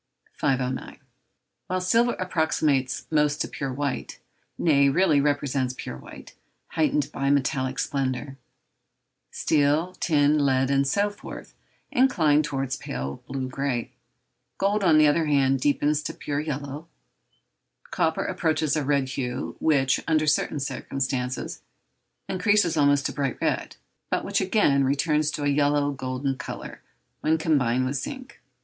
509. While silver approximates most to pure white, nay, really represents pure white, heightened by metallic splendour, steel, tin, lead, and so forth, incline towards pale blue grey; gold, on the other hand, deepens to pure yellow, copper approaches a red hue, which, under certain circumstances, increases almost to bright red, but which again returns to a yellow golden colour when combined with zinc.